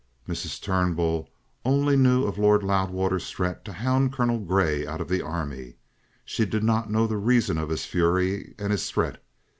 Mrs. Turnbull only knew of Lord Loudwater's threat to hound Colonel Grey out of the Army; she did not know the reason of his fury and his threat.